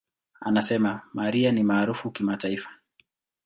Anasema, "Mariah ni maarufu kimataifa.